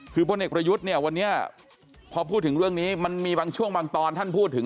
คือพลเอกประยุทธ์เนี่ยวันนี้พอพูดถึงเรื่องนี้มันมีบางช่วงบางตอนท่านพูดถึง